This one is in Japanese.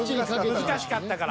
難しかったから。